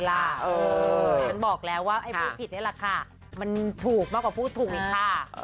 ฉันบอกแล้วว่าไอ้พูดผิดนี่แหละค่ะมันถูกมากกว่าพูดถูกอีกค่ะ